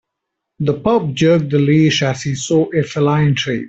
The pup jerked the leash as he saw a feline shape.